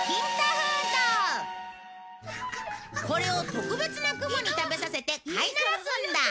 これを特別な雲に食べさせて飼いならすんだ！